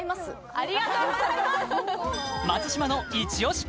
ありがとうございます！